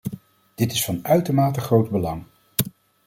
Dit is van uitermate groot belang.